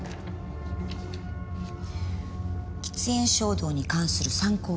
喫煙衝動に関する参考記事。